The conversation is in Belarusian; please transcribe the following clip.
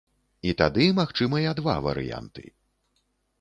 І тады магчымыя два варыянты.